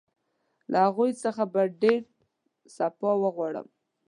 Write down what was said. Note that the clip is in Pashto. له هغوی څخه به ډېر سپاه وغواړم.